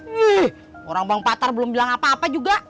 wih orang bang patar belum bilang apa apa juga